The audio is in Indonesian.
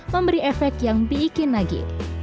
memberi efek yang biikin lagi